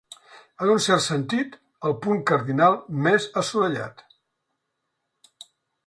En un cert sentit, el punt cardinal més assolellat.